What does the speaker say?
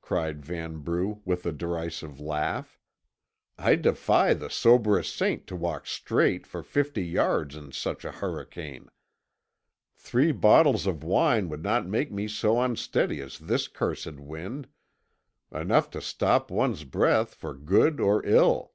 cried Vanbrugh with a derisive laugh. "I defy the soberest saint to walk straight for fifty yards in such a hurricane. Three bottles of wine would not make me so unsteady as this cursed wind enough to stop one's breath for good or ill.